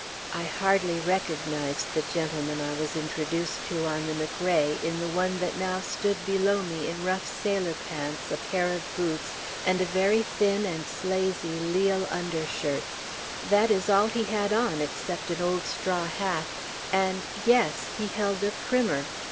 I hardly recognized the gentleman I was introduced to on the McRae in the one that now stood below me in rough sailor pants, a pair of boots, and a very thin and slazy lisle undershirt. That is all he had on, except an old straw hat, and yes! he held a primer!